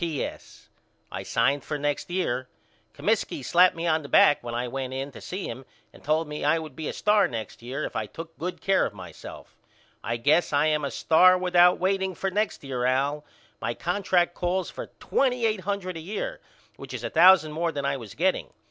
P.S. I signed up for next year. Comiskey slapped me on the back when I went in to see him and told me I would be a star next year if I took good care of myself I guess I am a star without waiting for next year Al. My contract calls for twenty eight hundred a year which is a thousand more than I was getting.